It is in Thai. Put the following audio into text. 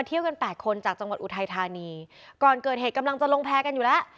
เที่ยวกันแปดคนจากจังหวัดอุทัยธานีก่อนเกิดเหตุกำลังจะลงแพร่กันอยู่แล้ว